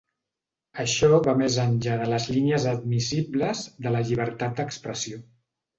Això va més enllà de les línies admissibles de la llibertat d’expressió.